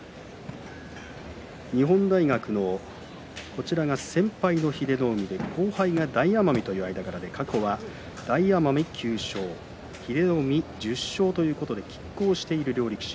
日本大学の先輩の英乃海、後輩が大奄美という間柄で過去は大奄美が９勝英乃海、１０勝ということできっ抗している両力士。